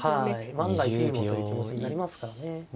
万が一にもという気持ちになりますからね。